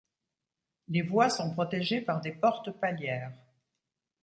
Les voies sont protégées par des portes palières.